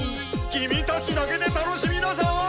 キミたちだけで楽しみなさい！